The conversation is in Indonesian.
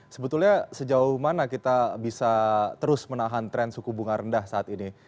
sebetulnya sejauh mana kita bisa terus menahan tren suku bunga rendah saat ini